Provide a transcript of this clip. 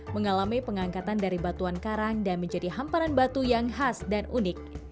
mengalami pengangkatan dari batuan karang dan menjadi hamparan batu yang khas dan unik